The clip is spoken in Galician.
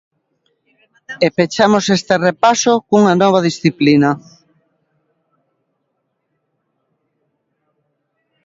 E pechamos este repaso cunha nova disciplina.